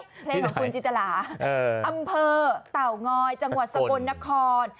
เพลงของคุณจินตราอำเภอเต่างอยจังหวัดสกลนคร